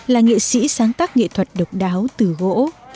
là nghệ sĩ sáng tác nghệ thuật độc đáo từ gỗ